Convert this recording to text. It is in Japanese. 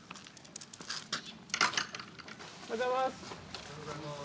おはようございます。